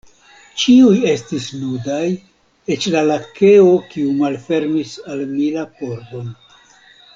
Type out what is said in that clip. Ĉiuj estis nudaj, eĉ la lakeo, kiu malfermis al mi la pordon.